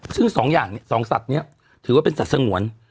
ซึ่งสองอย่างเนี่ยสองสัตว์นี้ถือว่าเป็นสัตว์สงวน